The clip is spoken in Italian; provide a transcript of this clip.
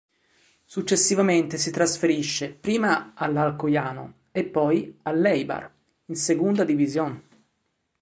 Successivamente si trasferisce prima all'Alcoyano e poi all'Eibar, in Segunda División.